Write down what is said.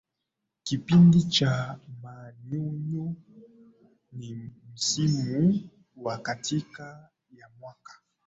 kipindi cha manyunyu ni msimu wa katikati ya mwaka